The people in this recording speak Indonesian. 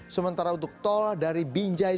sementara untuk tol dari binjai